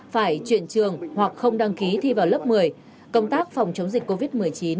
phải chuyển trường hoặc không đăng ký thi vào lớp một mươi công tác phòng chống dịch covid một mươi chín